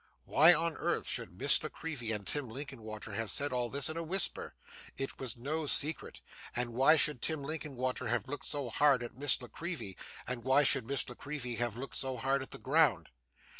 Why on earth should Miss La Creevy and Tim Linkinwater have said all this in a whisper? It was no secret. And why should Tim Linkinwater have looked so hard at Miss La Creevy, and why should Miss La Creevy have looked so hard at the ground?